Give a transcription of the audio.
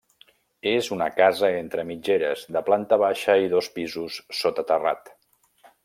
És una casa entre mitgeres, de planta baixa i dos pisos sota terrat.